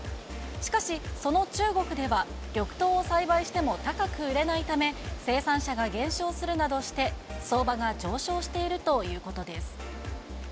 しかし、その中国では緑豆を栽培しても高く売れないため、生産者が減少するなどして、相場が上昇しているということです。